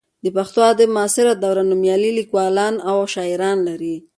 د پښتو ادب معاصره دوره نومیالي لیکوالان او شاعران لري.